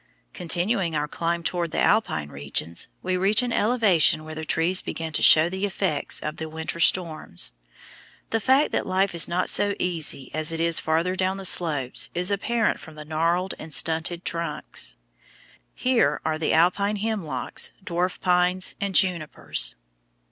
Continuing our climb toward the alpine regions, we reach an elevation where the trees begin to show the effects of the winter storms. The fact that life is not so easy as it is farther down the slopes is apparent from the gnarled and stunted trunks. Here are the alpine hemlocks, dwarf pines, and junipers.